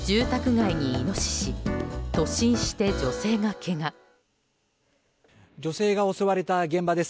女性が襲われた現場です。